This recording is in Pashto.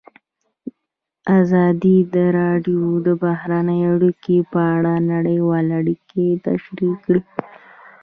ازادي راډیو د بهرنۍ اړیکې په اړه نړیوالې اړیکې تشریح کړي.